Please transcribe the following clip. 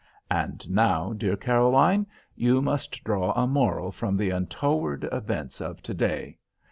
And now, dear Caroline, you must draw a moral from the untoward events of to day.